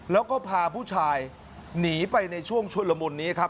แล้วก็พาผู้ชายหนีไปในช่วงชุลมุนนี้ครับ